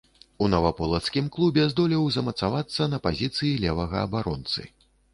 У наваполацкім клубе здолеў замацавацца на пазіцыі левага абаронцы.